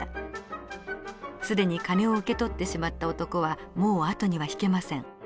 既に金を受け取ってしまった男はもう後には引けません。